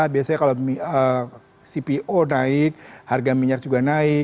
biasanya kalau cpo naik harga minyak juga naik